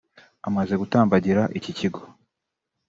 amaze gutambagira iki kigo